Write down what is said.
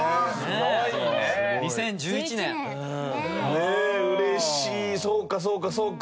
ねえ嬉しいそうかそうかそうか。